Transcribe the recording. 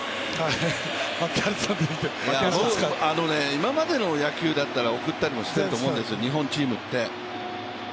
今までの野球だったら送ったりしていると思うんですよ、日本チームって。